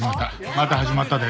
また始まったで。